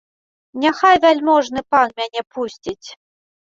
Няхай вяльможны пан мяне пусціць!